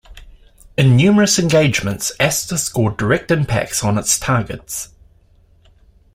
In numerous engagements Aster scored direct impacts on its targets.